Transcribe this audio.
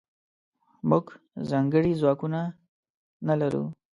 موږځنکړي ځواکونه نلرو